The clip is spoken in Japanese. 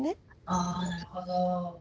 あなるほど。